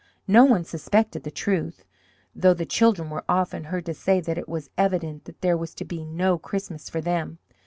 No one suspected the truth, though the children were often heard to say that it was evident that there was to be no Christmas for them!